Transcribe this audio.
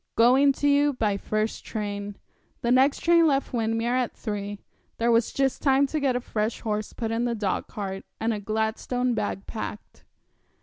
'Going to you by first train.' The next train left Windermere at three. There was just time to get a fresh horse put in the dogcart, and a Gladstone bag packed.